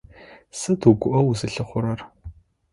Сыда угуӀэу узылъыхъурэр?